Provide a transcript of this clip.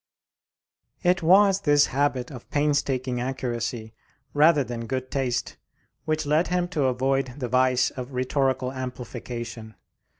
It was this habit of painstaking accuracy, rather than good taste, which led him to avoid the vice of rhetorical amplification.